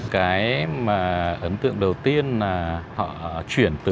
cái mà ấn tượng đầu tiên là họ chuyển từ